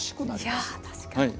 いや確かに。